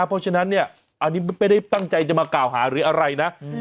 เพราะฉะนั้นเนี่ยอันนี้ไม่ได้ตั้งใจจะมากล่าวหาหรืออะไรนะ